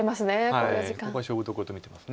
ここは勝負どころと見てます。